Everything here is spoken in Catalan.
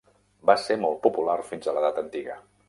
Va ser molt popular fins a l'edat antiga.